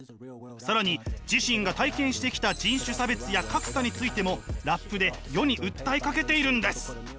更に自身が体験してきた人種差別や格差についてもラップで世に訴えかけているんです！